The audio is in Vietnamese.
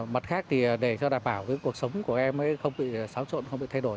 mặt khác thì để cho đảm bảo cuộc sống của em ấy không bị xáo trộn không bị thay đổi